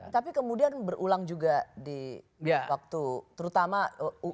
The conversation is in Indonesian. tapi kemudian berulang juga di waktu terutama